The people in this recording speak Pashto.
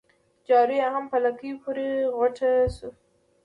جارو يې هم په لکۍ پوري غوټه سو